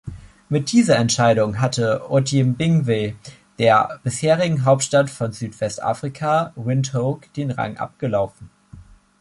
Mit dieser Entscheidung hatte Otjimbingwe der bisherigen „Hauptstadt von Südwest-Afrika“, Windhoek, den Rang abgelaufen.